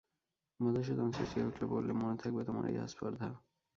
মধুসূদন চেঁচিয়ে উঠল, বললে, মনে থাকবে তোমার এই আস্পর্ধা।